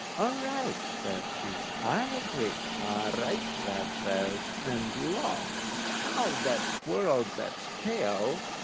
"All right," says she, "I agree." "All right," that says, and law! how that twirled that's tail.